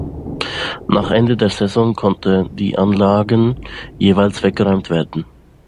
Nach Ende der Saison konnte die Anlagen jeweils weggeräumt werden.